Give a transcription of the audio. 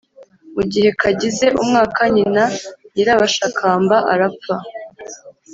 mu gihe kagize umwaka, nyina nyirabashakamba arapfa.